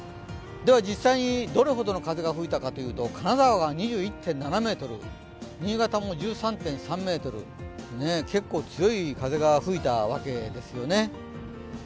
では実際にどれほどの風が吹いたかというと金沢は２１．７メートル、新潟も１３．３メートル、結構強い風が吹いたわけですよね。